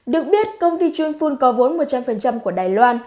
được biết công ty chunfun có vốn một trăm linh của đài loan